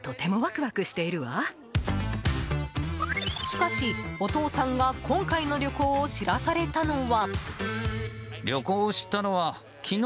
しかし、お父さんが今回の旅行を知らされたのは。